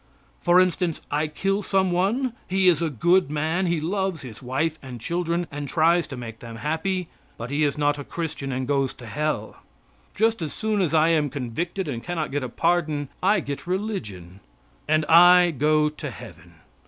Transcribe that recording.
For instance, I kill some one. He is a good man. He loves his wife and children and tries to make them happy; but he is not a Christian, and he goes to hell. Just as soon as I am convicted and cannot get a pardon I get religion, and I go to heaven.